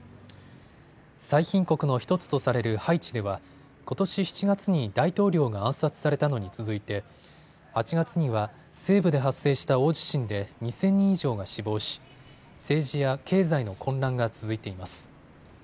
最貧国の１つとされるハイチではことし７月に大統領が暗殺されたのに続いて８月には西部で発生した大地震で２０００人以上が死亡し政治や経済の混乱が続いています。